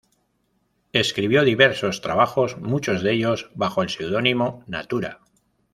Escribió diversos trabajos, muchos de ellos bajo el seudónimo "Natura".